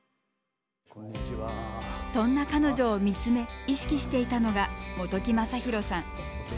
そんな彼女を見つめ意識していたのが本木雅弘さん。